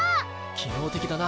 機能的だな。